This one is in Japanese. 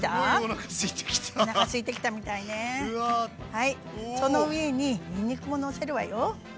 はいその上ににんにくものせるわよ。